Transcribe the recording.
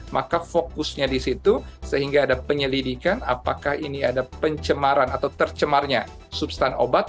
maka fokusnya di situ sehingga ada penyelidikan apakah ini ada pencemaran atau tercemarnya substan obat